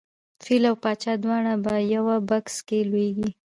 فیل او پاچا دواړه په یوه بکس کې لویږي.